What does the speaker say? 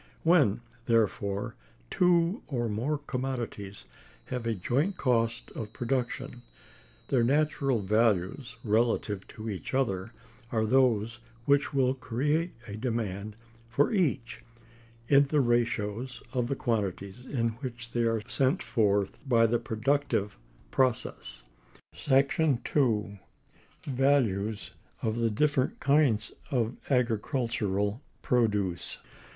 When, therefore, two or more commodities have a joint cost of production, their natural values relatively to each other are those which will create a demand for each, in the ratio of the quantities in which they are sent forth by the productive process. § 2. Values of the different kinds of agricultural produce.